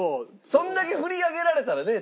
それだけ振り上げられたらね